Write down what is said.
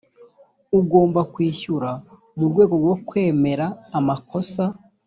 ugomba kwishyura mu rwego rwo kwemera amakosa